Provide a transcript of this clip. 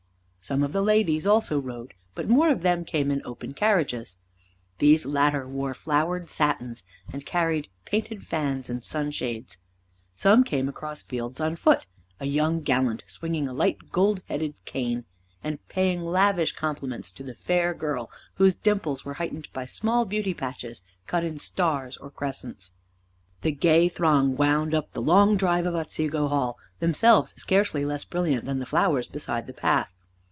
Some of the ladies also rode, but more of them came in open carriages. These latter wore flowered satins, and carried painted fans and sunshades. Some came across fields on foot, a young gallant swinging a light gold headed cane, and paying lavish compliments to the fair girl whose dimples were heightened by small beauty patches cut in stars or crescents. The gay throng wound up the long drive of Otsego Hall, themselves scarcely less brilliant than the flowers beside the path.